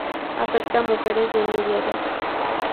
Afecta a mujeres de mediana edad.